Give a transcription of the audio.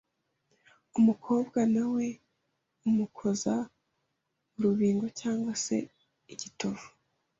Umukobwa ntawe umukoza urubingo cyangwa se igitovu